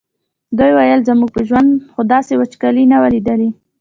دوی ویل زموږ په ژوند خو داسې وچکالي نه وه لیدلې.